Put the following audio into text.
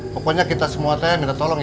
pokoknya kita semua tanya minta tolong ya